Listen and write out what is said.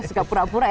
suka pura pura ya